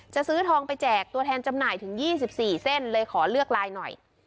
จะซื้อทองไปแจกตัวแทนจำหน่ายถึงยี่สิบสี่เส้นเลยขอเลือกลายหน่อย